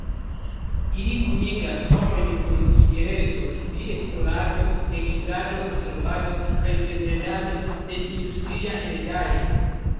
Ili kunigas homojn kun intereso pri esplorado, registrado, konservado kaj prezentado de industria heredaĵo.